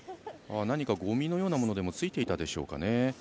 何か、ごみのようなものでもついていたでしょうか。